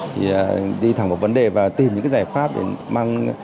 thì đi thẳng một vấn đề và tìm những giải pháp để mang